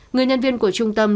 người nhân viên của trung tâm